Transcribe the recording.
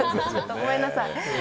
ごめんなさい。